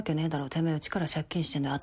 てめぇうちから借金してんだよ。